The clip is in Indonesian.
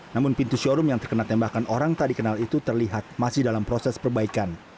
namun pintu showroom yang terkena tembakan orang tak dikenal itu terlihat masih dalam proses perbaikan